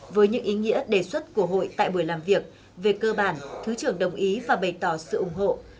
với những ý nghĩa đề xuất của hội tại buổi làm việc về cơ bản thứ trưởng đồng ý và bày tỏ sự ủng hộ